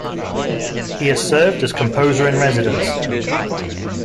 He has served as composer-in-residence.